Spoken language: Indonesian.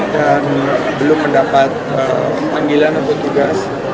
dan belum mendapat panggilan untuk tugas